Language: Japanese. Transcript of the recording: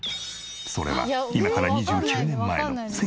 それは今から２９年前の１９９３年。